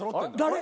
誰？